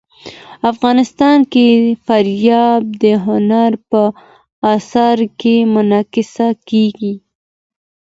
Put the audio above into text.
افغانستان کې فاریاب د هنر په اثار کې منعکس کېږي.